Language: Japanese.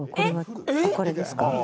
これですか？